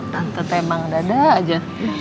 tante temang dada aja